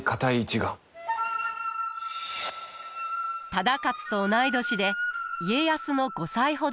忠勝と同い年で家康の５歳ほど年下。